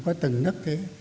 có từng nức thế